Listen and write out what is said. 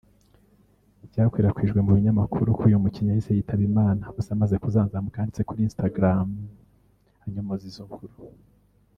byakwirakwijwe mu binyamakuru ko uyu mukinnyi yahise yitaba Imana gusa amaze kuzanzamuka yanditse kuri Instagram anyomoza izo nkuru